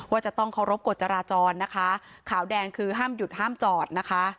จะต้องเคารพกฎจราจรนะคะขาวแดงคือห้ามหยุดห้ามจอดนะคะ